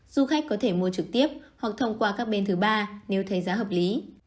du khách có thể mua trực tiếp hoặc thông qua các bên thứ ba nếu thấy giá hợp lý